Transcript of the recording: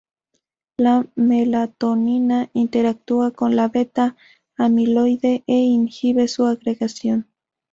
La melatonina interactúa con la beta-amiloide e inhibe su agregación.